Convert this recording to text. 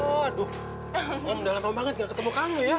aduh udah lama banget gak ketemu kamu ya